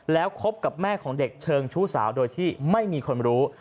แล้วคบกับแม่ของเด็กเชิงชู้สาวโดยที่ไม่มีคนรู้